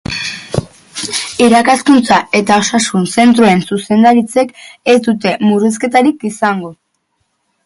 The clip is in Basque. Irakaskuntza eta osasun zentroen zuzendaritzek ez dute murrizketarik izango.